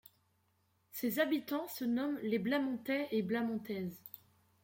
Ses habitants se nomment les Blamontais et Blamontaises.